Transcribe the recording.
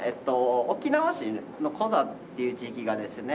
沖縄市のコザっていう地域がですね